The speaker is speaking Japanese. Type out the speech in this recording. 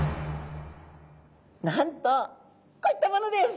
なんとこういったものです。